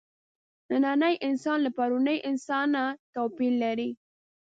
نننی انسان له پروني انسانه توپیر لري.